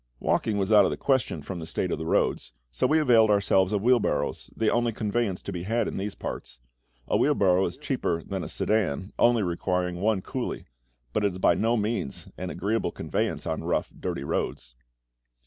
Walking was out of the question, from the state of the roads, so we availed ourselves of wheel barrows, the only conveyance to be had in these parts. A wheel barrow is cheaper than a sedan, only requiring one coolie; but is by no means an agreeable conveyance on rough, dirty roads.